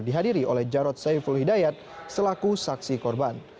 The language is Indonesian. dihadiri oleh jarod saiful hidayat selaku saksi korban